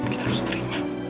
kita harus terima